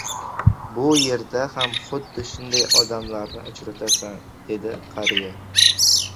– Bu yerda ham xuddi shunday odamlarni uchratasan, – dedi qariya.